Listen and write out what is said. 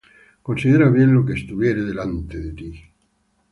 Considera bien lo que estuviere delante de ti;